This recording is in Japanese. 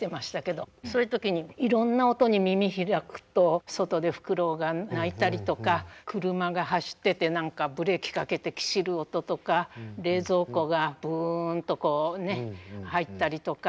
そういう時にいろんな音に耳開くと外でフクロウが鳴いたりとか車が走ってて何かブレーキかけてきしる音とか冷蔵庫がブンとこうね入ったりとか。